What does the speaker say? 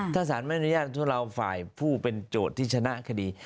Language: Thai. ถ้าสารไม่อนุญาตพวกเราฝ่ายผู้เป็นโจทย์ที่ชนะคดี